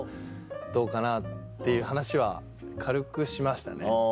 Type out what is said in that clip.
「どうかな？」っていう話は軽くしましたね。